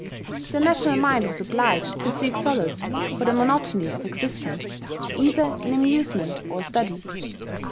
The national mind was obliged to seek solace for the monotony of existence, either in amusement or study.